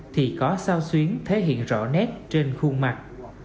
thì có sao xuyến thể hiện rõ nét trên khuôn mặt